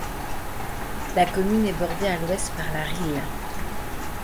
La commune est bordée à l'ouest par la Risle.